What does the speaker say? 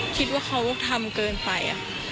คิดว่าเขาทำเกินไป